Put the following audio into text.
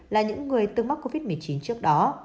là những người từng mắc covid một mươi chín trước đó